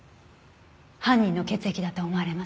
犯人の血液だと思われます。